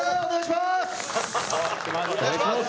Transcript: お願いします！